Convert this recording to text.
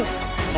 motor lu ke peset